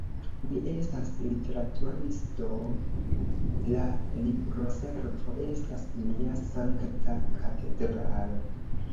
Mi estas literaturisto, la libroservo estas mia sankta katedralo.